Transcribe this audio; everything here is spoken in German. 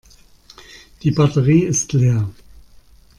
Die Batterie ist leer.